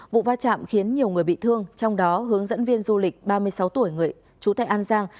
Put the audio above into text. vụ va chạm khiến nhiều người bị thương trong đó hướng dẫn viên du lịch ba mươi sáu tuổi người chú tại an giang